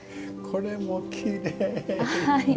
これもきれい！